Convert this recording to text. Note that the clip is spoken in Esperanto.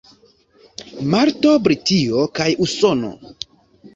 Malto, Britio kaj Usono.